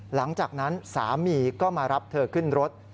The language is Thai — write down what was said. หลังจากนั้นสามีก็มารับเธอขึ้นรถ